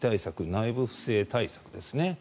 内部不正対策ですね。